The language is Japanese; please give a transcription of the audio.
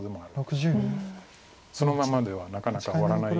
そのままではなかなか終わらない。